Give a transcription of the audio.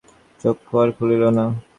চক্ষু আর খুলিল না।